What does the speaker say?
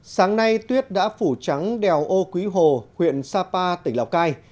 sáng nay tuyết đã phủ trắng đèo âu quý hồ huyện sapa tỉnh lào cai